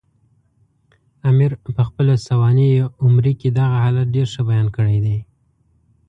امیر پخپله سوانح عمري کې دغه حالت ډېر ښه بیان کړی دی.